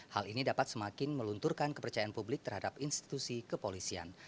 hal ini dapat semakin melunturkan kepercayaan publik terhadap institusi kepolisian